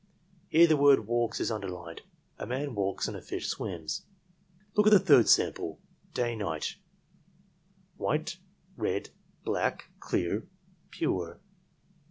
"Here the word walks is underlined. A man walks and a fish swims. "Look at the third sample: Day — night :: white — red, black, clear, pure.